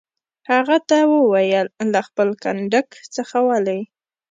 هغه ته وویل: له خپل کنډک څخه ولې.